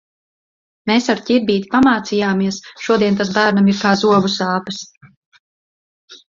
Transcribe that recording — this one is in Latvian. Mēs ar ar Ķirbīti pamācījāmies, šodien tas bērnam ir kā zobu sāpes.